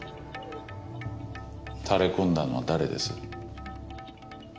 タレ込んだのは誰です？